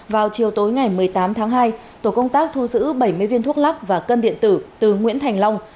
vào chiều tối ngày một mươi tám tháng hai tổ công tác thu giữ bảy mươi viên thuốc lắc và cân điện tử từ nguyễn thành long